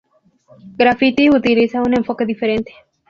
Graffiti utiliza un enfoque diferente.